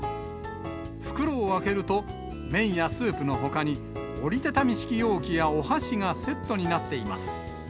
袋を開けると、麺やスープのほかに、折り畳み式容器やお箸がセットになっています。